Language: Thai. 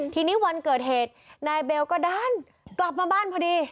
ทีนี้วันเกิดเหตุนายเบลก็ด้านกลับมาบ้านพอดี